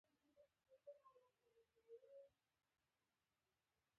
نوي ادا راوړمه، ان شاالله